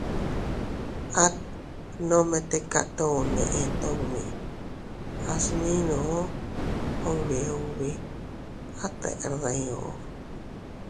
At nome tika tun neʼe tummi, a sminoo ubi ubi, at deʼer diu.